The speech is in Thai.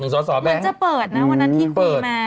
มันจะเปิดวันนั้นที่คุยมา